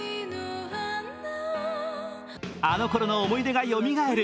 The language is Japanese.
あのころの思い出がよみがえる。